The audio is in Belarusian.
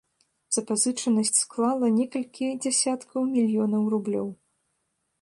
Запазычанасць склала некалькі дзясяткаў мільёнаў рублёў.